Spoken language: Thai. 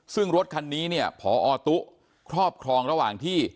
ซึ่งรถคันนี้เนี่ยพอตุ๊ครอบครองระหว่างที่